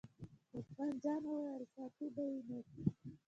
عثمان جان وویل: ساتو به یې نو.